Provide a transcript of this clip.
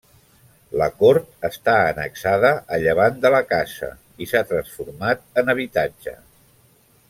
La cort està annexada a llevant de la casa i s'ha transformat en habitatge.